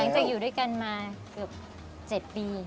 หลังจากอยู่ด้วยกันมาเกือบ๗ปี